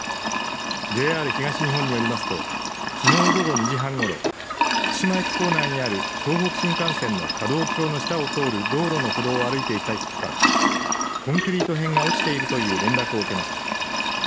ＪＲ東日本によりますときのう午後２時半ごろ福島駅構内にある東北新幹線の架道橋の下を通る道路の歩道を歩いていた人からコンクリート片が落ちているという連絡を受けました。